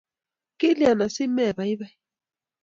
kilyan asimei baibai?